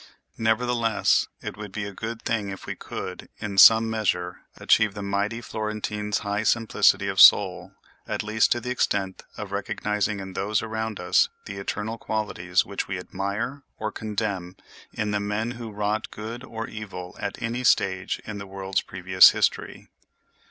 Nevertheless, it would be a good thing if we could, in some measure, achieve the mighty Florentine's high simplicity of soul, at least to the extent of recognizing in those around us the eternal qualities which we admire or condemn in the men who wrought good or evil at any stage in the world's previous history.